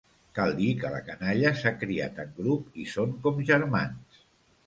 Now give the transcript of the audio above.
Cal dir que la canalla s'ha criat en grup i són com germans.